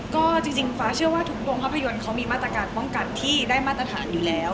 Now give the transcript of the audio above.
ก็จริงฟ้าเชื่อว่าทุกโรงภาพยนตร์เขามีมาตรการป้องกันที่ได้มาตรฐานอยู่แล้ว